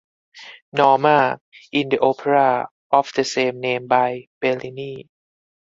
Norma in the opera of the same name by Bellini.